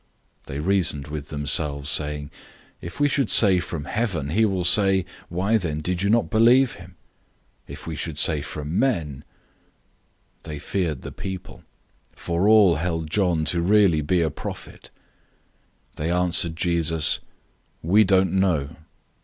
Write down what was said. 011:031 They reasoned with themselves, saying, "If we should say, 'From heaven;' he will say, 'Why then did you not believe him?' 011:032 If we should say, 'From men'" they feared the people, for all held John to really be a prophet. 011:033 They answered Jesus, "We don't know."